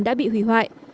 đã bị hủy hoại